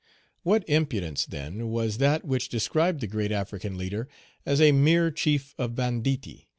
What impudence, then, was that which described the great African leader as a mere chief of banditti!